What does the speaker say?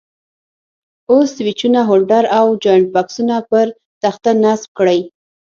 اوس سویچونه، هولډر او جاینټ بکسونه پر تخته نصب کړئ.